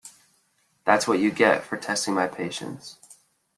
That’s what you get for testing my patience.